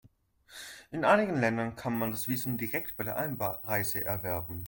In einigen Ländern kann man das Visum direkt bei der Einreise erwerben.